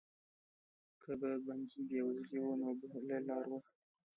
که به بندي بېوزلی و نو بله لاره وه.